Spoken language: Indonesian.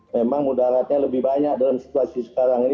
memang mudaratnya lebih banyak dalam situasi sekarang ini